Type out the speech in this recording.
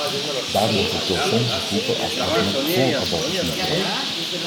Daarom wordt het door sommige groepen als argument voor abortus misbruikt.